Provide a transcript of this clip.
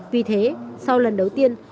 vì thế sau lần đầu tiên